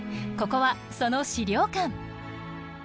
ここはその資料館。